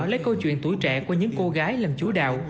lấy câu chuyện tuổi trẻ của những cô gái làm chú đạo